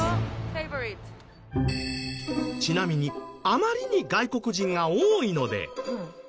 ちなみにあまりに外国人が多いので。